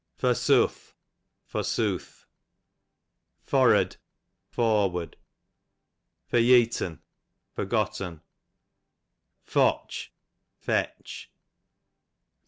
Forsuth, for sooth. Forrud, forward. Foryeat'n , forgotten. Fotch, fetch.